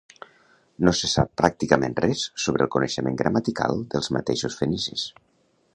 No se sap pràcticament res sobre el coneixement gramatical dels mateixos fenicis.